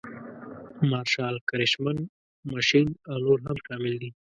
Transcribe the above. مارشال کرشمن مشینک او نور هم شامل دي.